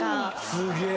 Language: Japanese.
すげえ。